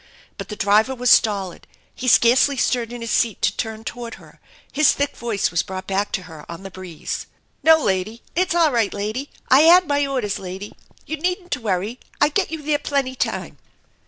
But the driver was stolid. He scarcely stirred in his seat to turn toward her. His thick voice was brought back to her on the breeze: "No, lady, it's all right, lady! I hal my orders, lady! You needn't to worry. I get you there plenty time."